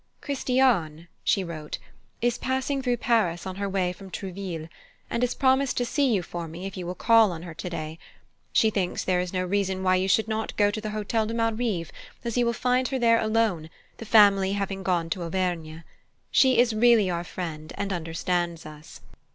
"Christiane," she wrote, "is passing through Paris on her way from Trouville, and has promised to see you for me if you will call on her today. She thinks there is no reason why you should not go to the Hotel de Malrive, as you will find her there alone, the family having gone to Auvergne. She is really our friend and understands us."